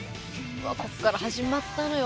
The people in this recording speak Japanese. こっから始まったのよ